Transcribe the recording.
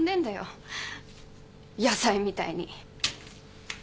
野菜みたいに。